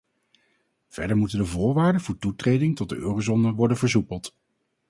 Verder moeten de voorwaarden voor toetreding tot de eurozone worden versoepeld.